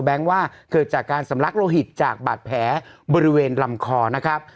ว่าเกิดจากการสำลักโลหิตจากบาดแผลบริเวณลำคอนะครับ